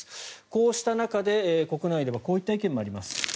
こうした中で国内ではこういった意見もあります。